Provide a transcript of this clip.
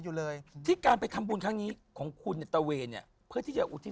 แจ๊คจิลวันนี้เขาสองคนไม่ได้มามูเรื่องกุมาทองอย่างเดียวแต่ว่าจะมาเล่าเรื่องประสบการณ์นะครับ